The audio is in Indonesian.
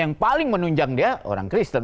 yang paling menunjang dia orang kristen